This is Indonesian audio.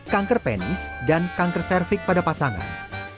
kanker penis dan kanker cervix pada pasangan